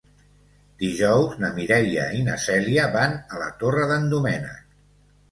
Dijous na Mireia i na Cèlia van a la Torre d'en Doménec.